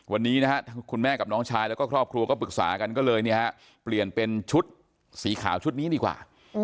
วันนี้นะฮะคุณแม่กับน้องชายแล้วก็ครอบครัวก็ปรึกษากันก็เลยเปลี่ยนเป็นชุดสีขาวชุดนี้ดีกว่า